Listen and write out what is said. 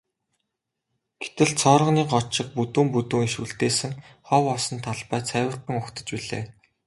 Гэтэл цооргонын год шиг бүдүүн бүдүүн иш үлдээсэн хов хоосон талбай цайвартан угтаж билээ.